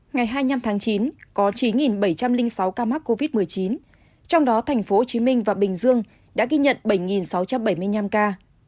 ngày hai mươi năm tháng chín có chín bảy trăm linh sáu ca mắc covid một mươi chín trong đó tp hcm và bình dương đã ghi nhận bảy sáu trăm bảy mươi năm ca